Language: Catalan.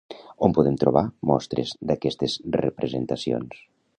On podem trobar mostres d'aquestes representacions?